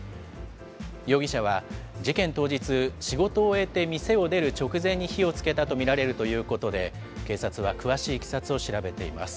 容疑者は、事件当日、仕事を終えて店を出る直前に火をつけたと見られるということで、警察は詳しいいきさつを調べています。